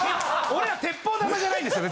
俺ら鉄砲玉じゃないんですよ